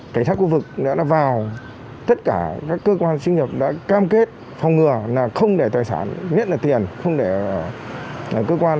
cảnh sát khu vực đã vào tất cả các cơ quan sinh nghiệp đã cam kết phòng ngừa là không để tài sản nhất là tiền không để cơ quan